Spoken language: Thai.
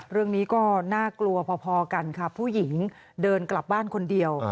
เรื่องนี้ก็น่ากลัวพอกันค่ะผู้หญิงเดินกลับบ้านคนเดียว